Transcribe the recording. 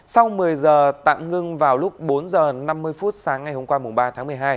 sau một mươi giờ tạm ngưng vào lúc bốn h năm mươi phút sáng ngày hôm qua ba tháng một mươi hai